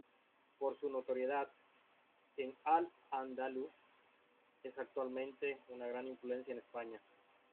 Por su notoriedad en Al Andalus, es actualmente de gran influencia en España.